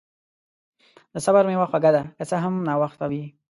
د صبر میوه خوږه ده، که څه هم ناوخته وي.